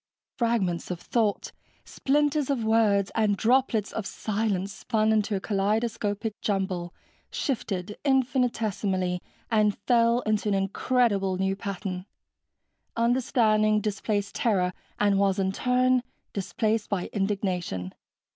Fragments of thought, splinters of words, and droplets of silence spun into a kaleidoscopic jumble, shifted infinitesimally, and fell into an incredible new pattern. Understanding displaced terror and was, in turn, displaced by indignation.